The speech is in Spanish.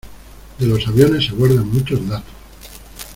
de los aviones se guardan muchos datos.